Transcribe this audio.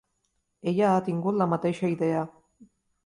Ella ha tingut la mateixa idea.